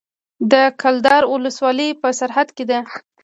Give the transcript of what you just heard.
د کلدار ولسوالۍ په سرحد کې ده